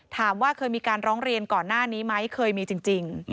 ถามว่าเคยมีการร้องเรียนก่อนหน้านี้ไหมเคยมีจริง